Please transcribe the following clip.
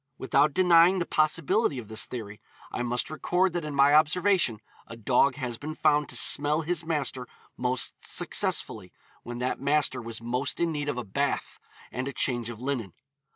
Without denying the possibility of this theory, I must record that in my observation a dog has been found to smell his master most successfully when that master was most in need of a bath and a change of linen.